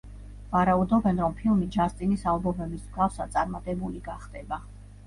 ვარაუდობენ, რომ ფილმი, ჯასტინის ალბომების მსგავსად, წარმატებული გახდება.